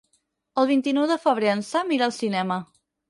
El vint-i-nou de febrer en Sam irà al cinema.